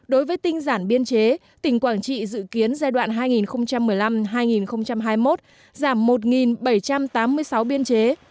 đối với tinh giản biên chế tỉnh quảng trị dự kiến giai đoạn hai nghìn một mươi năm hai nghìn hai mươi một giảm một bảy trăm tám mươi sáu biên chế